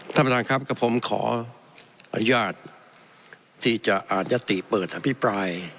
ท่านประธานครับกับผมขออนุญาตที่จะอ่านยติเปิดอภิปราย